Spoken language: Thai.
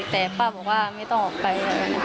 แต่ป้าบอกว่าไม่ต้องออกไปไหน